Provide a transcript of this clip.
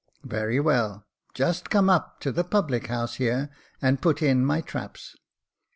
" Very well. Just come up to the public house here, and put in my traps."